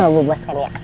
bapak bu bos kan ya